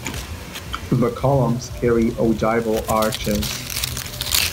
The columns carry ogival arches.